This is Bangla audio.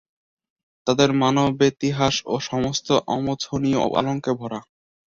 তাদের মানবেতিহাস এ সমস্ত অমোছনীয় কলঙ্কে ভরা।